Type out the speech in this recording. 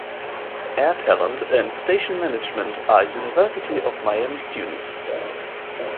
Air talent and station management are University of Miami students.